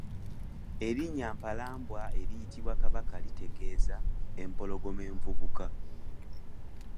Erinnya Mpalabwa eriyitibwa Kabaka litegeeza "empologoma envubuka".